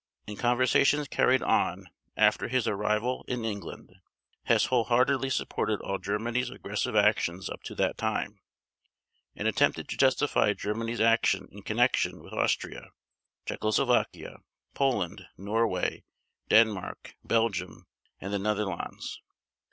In conversations carried on after his arrival in England Hess wholeheartedly supported all Germany's aggressive actions up to that time, and attempted to justify Germany's action in connection with Austria, Czechoslovakia, Poland, Norway, Denmark, Belgium, and the Netherlands.